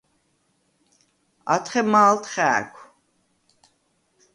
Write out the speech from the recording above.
ათხე მა̄ლდ ხა̄̈ქუ̂: